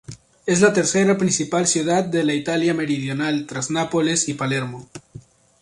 Es la tercera principal ciudad de la Italia meridional tras Nápoles y Palermo.